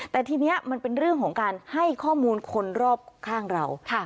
แต่ทีนี้มันเป็นเรื่องของการให้ข้อมูลคนรอบข้างเรา